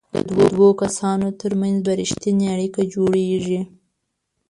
د دوو کسانو ترمنځ به ریښتینې اړیکه جوړیږي.